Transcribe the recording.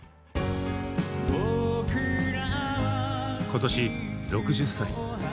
今年６０歳。